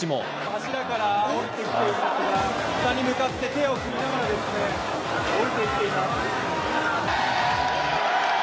柱から下に向かって手を振りながら降りていっています。